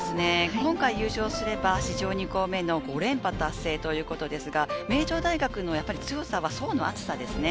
今回優勝すれば史上２校目の５連覇達成ということですが、強さは層の厚さですよね。